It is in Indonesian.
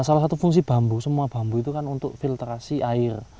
salah satu fungsi bambu semua bambu itu kan untuk filtrasi air